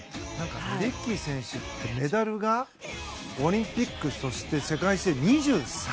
レデッキー選手ってメダルがオリンピック、そして世界水泳で２３？